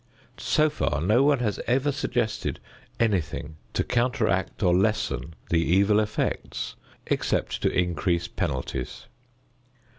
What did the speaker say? So far no one has ever suggested anything to counteract or lessen the evil effects except to increase penalties.